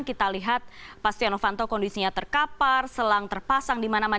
kita lihat pak stiano fanto kondisinya terkapar selang terpasang di mana mana